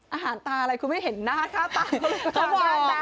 อาหารตาอะไรคุณไม่เห็นหน้าตาเขาหรือ